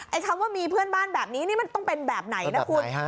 คำว่ามีเพื่อนบ้านแบบนี้นี่มันต้องเป็นแบบไหนนะคุณ